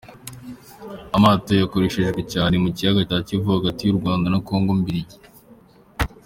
Amato yarakoreshejwe cyane mu kiyaga cya Kivu, hagati y’u Rwanda na Congo Mbiligi.